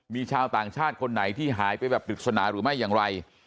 มีชาวต่างชาติคนไหนที่หายไปแบบปริศนาหรือไม่อย่างไร